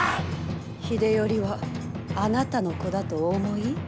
秀頼はあなたの子だとお思い？